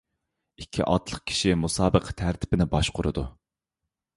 ئىككى ئاتلىق كىشى مۇسابىقە تەرتىپىنى باشقۇرىدۇ.